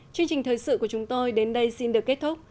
chương trình thời sự của chúng tôi đến đây xin được kết thúc